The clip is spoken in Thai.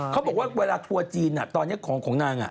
เขาบอกว่าเวลาทัวร์จีนตอนนี้ของของนาง